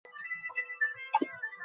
জগমোহন বলিলেন, আমি আপিল করিব না।